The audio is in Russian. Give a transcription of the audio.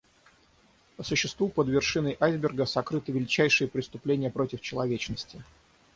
По существу, под вершиной айсберга сокрыты величайшие преступления против человечности.